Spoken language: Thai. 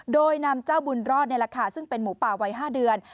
โดยนำเจ้าบุญรอดนี่แหละค่ะซึ่งเป็นหมูป่าวัย๕เดือน